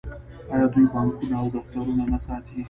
آیا دوی بانکونه او دفترونه نه ساتي؟